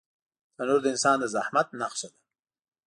تنور د انسان د زحمت نښه ده